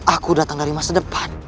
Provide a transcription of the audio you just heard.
aku datang dari masa depan